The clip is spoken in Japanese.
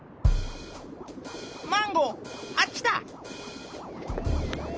マンゴーあっちだ！